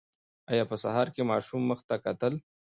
انا په سهار کې د ماشوم مخ ته کتل.